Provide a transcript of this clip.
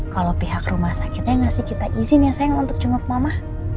kalau pihak rumah sakitnya ngasih kita izin ya saya untuk cungok mama